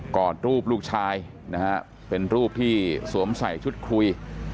อดรูปลูกชายนะฮะเป็นรูปที่สวมใส่ชุดคุย